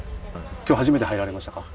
今日、初めて入られましたか？